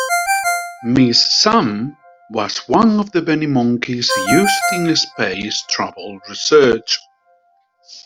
Miss Sam was one of many monkeys used in space travel research.